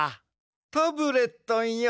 タブレットンよ